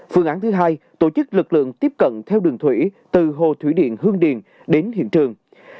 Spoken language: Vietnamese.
phương án thứ hai tổ chức lực lượng tiếp cận theo đường thủy từ hồ thủy điện hương điền đến hiện trường